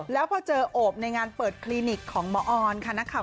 แล้วพอเจอโอบในงานเปิดคลินิกของหมอออนค่ะนักข่าว